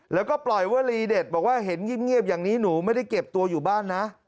แล้วก็ปล่อยวลีเด็ดบอกว่าเห็นเงียบอย่างนี้หนูไม่ได้เก็บตัวอยู่บ้านนะ